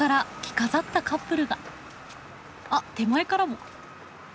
あっ手前からも。